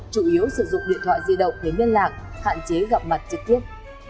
chủ yếu sử dụng điện thoại di động để liên lạc hạn chế gặp mặt trực tiếp